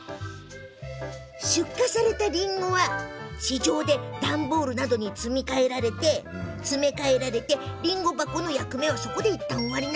出荷されたりんごは市場で段ボールなどに詰め替えられてりんご箱の役目はそこでいったん終わり。